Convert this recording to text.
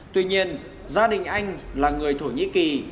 tuy nhiên gia đình anh là người thổ nhĩ kỳ